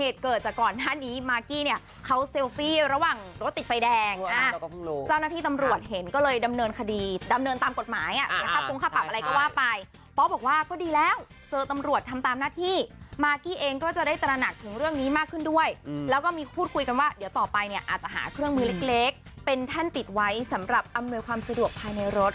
เดี๋ยวต่อไปเนี่ยอาจจะหาเครื่องมือเล็กเป็นท่านติดไว้สำหรับอำนวยความสะดวกภายในรถ